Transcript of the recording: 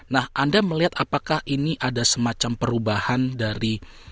nah anda melihat apakah ini ada semacam perubahan dari